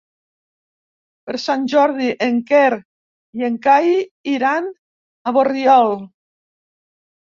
Per Sant Jordi en Quer i en Cai iran a Borriol.